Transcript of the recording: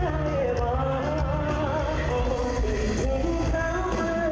ให้ดูไม่โดนยังกับเขาเธอนั้นที่เสียงกล้องปากปันรัก